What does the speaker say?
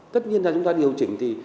tất nhiên là chúng ta điều chỉnh thì